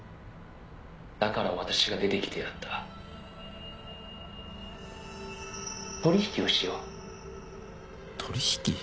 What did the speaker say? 「だから私が出てきてやった」「取引をしよう」取引？